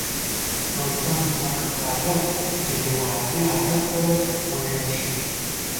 رستم فرخ زاد د یوه عادي عرب سره وژل شي.